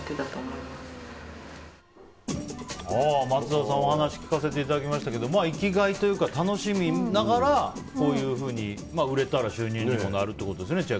松田さんのお話を聞かせていただきましたけど生きがいというか楽しみながらこういうふうに売れたら収入にもなるということですよね